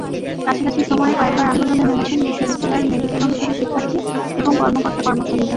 কাছাকাছি সময়ে কয়েকবার আন্দোলনে নেমেছেন বিশ্ববিদ্যালয়ের মেডিকেল অনুষদের শিক্ষার্থী এবং কর্মকর্তা-কর্মচারীরা।